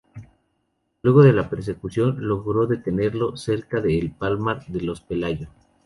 Luego de la persecución, logró detenerlo cerca de El Palmar de los Pelayo.